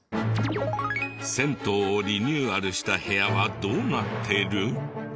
銭湯をリニューアルした部屋はどうなってる？